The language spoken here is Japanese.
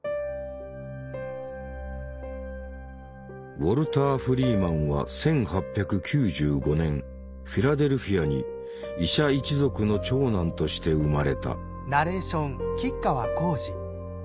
ウォルター・フリーマンは１８９５年フィラデルフィアに医者一族の長男として生まれた。